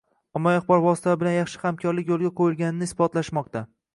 Oav bilan yaxshi hamkorlik yo‘lga qo‘yilganini isbotlashmoqda.